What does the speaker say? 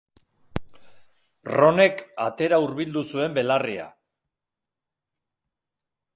Ronek atera hurbildu zuen belarria.